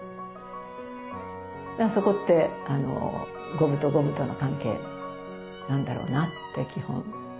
そこって五分と五分との関係なんだろうなって基本。